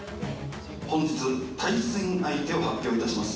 本日、対戦相手を発表いたします。